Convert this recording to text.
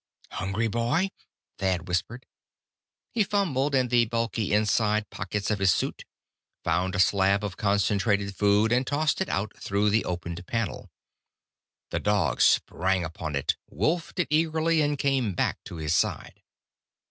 "Hungry, boy?" Thad whispered. He fumbled in the bulky inside pockets of his suit, found a slab of concentrated food, and tossed it out through the opened panel. The dog sprang upon it, wolfed it eagerly, and came back to his side.